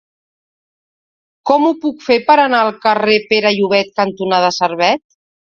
Com ho puc fer per anar al carrer Pere Llobet cantonada Servet?